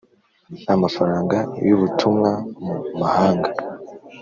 Amafaranga y ubutumwa mu mahanga